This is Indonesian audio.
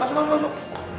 masuk masuk masuk